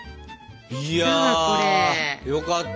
いやよかった。